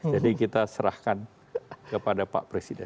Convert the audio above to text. jadi kita serahkan kepada pak presiden